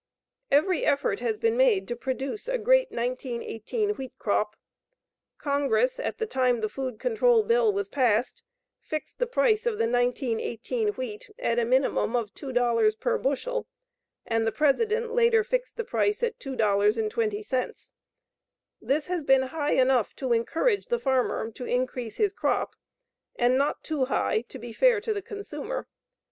Every effort has been made to produce a great 1918 wheat crop. Congress, at the time the Food Control Bill was passed, fixed the price of the 1918 wheat at a minimum of $2 per bushel, and the President later fixed the price at $2.20. This has been high enough to encourage the farmer to increase his crop and not too high to be fair to the consumer.